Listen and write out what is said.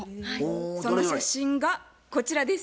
その写真がこちらです。